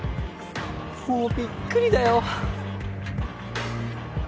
もうびっくりだよ。